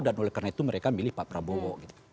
dan oleh karena itu mereka memilih pak prabowo